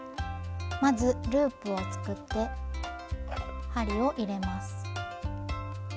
まずループを作って針を入れます。